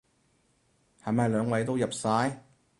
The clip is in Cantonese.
係咪兩位都入晒？